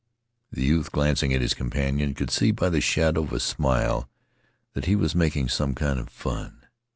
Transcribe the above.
The youth glancing at his companion could see by the shadow of a smile that he was making some kind of fun.